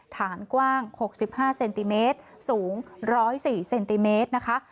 ฐานกว้าง๖๕เซนติเมตรสูง๑๐๔เซนติเมตรนะคะ